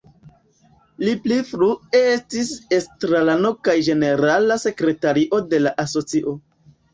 Li pli frue estis estrarano kaj ĝenerala sekretario de la asocio.